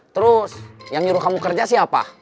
terus yang nyuruh kamu kerja siapa